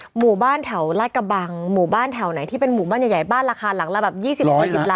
หมู่บ้านแถวลาดกระบังหมู่บ้านแถวไหนที่เป็นหมู่บ้านใหญ่บ้านราคาหลังละแบบ๒๐๔๐ล้าน